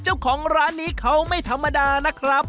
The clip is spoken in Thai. เจ้าของร้านนี้เขาไม่ธรรมดานะครับ